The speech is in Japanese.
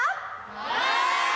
はい！